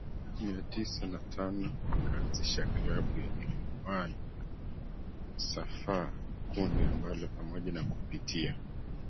Mia tisa na tano wakaanzisha klabu ya Ikwaan Safaa kundi ambalo pamoja na kupitia